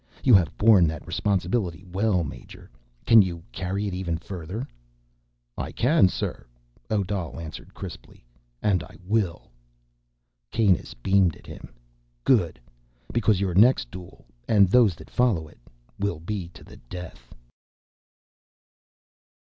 You have borne that responsibility well, major. Can you carry it even further?" "I can, sir," Odal answered crisply, "and I will." Kanus beamed at him. "Good! Because your next duel—and those that follow it—will be to the death."